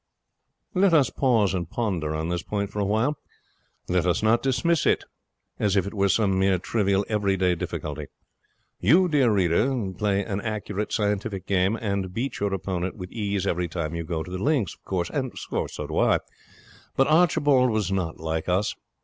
Let us pause and ponder on this point for a while. Let us not dismiss it as if it were some mere trivial, everyday difficulty. You, dear reader, play an accurate, scientific game and beat your opponent with ease every time you go the links, and so do I; but Archibald was not like us.